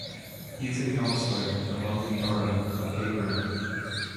He is a councillor in the London Borough of Havering.